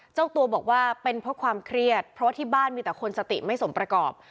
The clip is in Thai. เจ้าตัวบอกว่าเป็นเพราะความเครียดเพราะว่าที่บ้านมีแต่คนสติไม่สมประกอบ